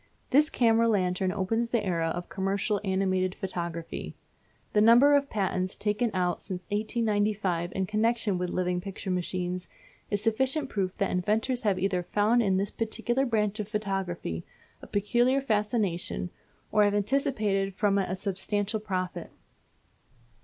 This camera lantern opens the era of commercial animated photography. The number of patents taken out since 1895 in connection with living picture machines is sufficient proof that inventors have either found in this particular branch of photography a peculiar fascination, or have anticipated from it a substantial profit.